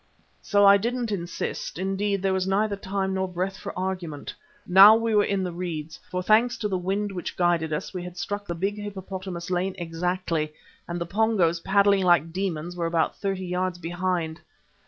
So I didn't insist; indeed there was neither time nor breath for argument. Now we were in the reeds, for thanks to the flag which guided us, we had struck the big hippopotamus lane exactly, and the Pongos, paddling like demons, were about thirty yards behind.